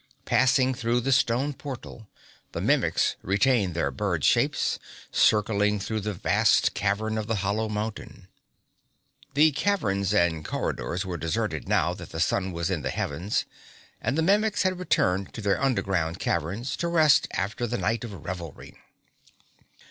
Passing through the stone portal, the Mimics retained their bird shapes, circling through the vast cavern of the hollow mountain. The cavern and corridors were deserted now that the sun was in the heavens, and the Mimics had returned to their underground caverns to rest after the night of revelry.